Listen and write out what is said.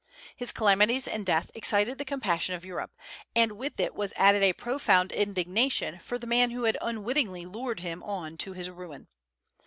His calamities and death excited the compassion of Europe; and with it was added a profound indignation for the man who had unwittingly lured him on to his ruin.